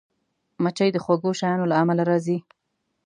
مچمچۍ د خوږو شیانو له امله راځي